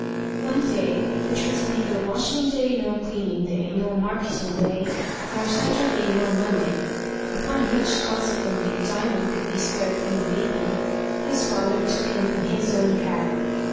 One day, which was neither washing day, nor cleaning day nor marketing day, nor Saturday, nor Monday upon which consequently Diamond could be spared from the baby his father took him on his own cab.